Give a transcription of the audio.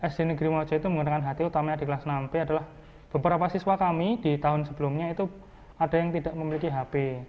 sd negeri mojo itu menggunakan hti utamanya di kelas enam p adalah beberapa siswa kami di tahun sebelumnya itu ada yang tidak memiliki hp